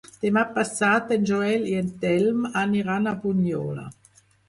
Demà passat en Joel i en Telm aniran a Bunyola.